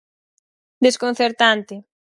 "Desconcertante".